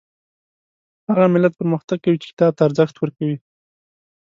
هغه ملت پرمختګ کوي چې کتاب ته ارزښت ورکوي